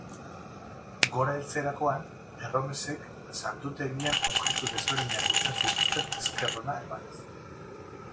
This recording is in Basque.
Gora heltzerakoan, erromesek santutegian objetu desberdinak uzten zituzten esker ona emanez.